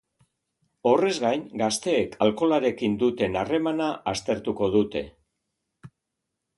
Horrez gain, gazteek alkoholarekin duten harremana aztertuko dute.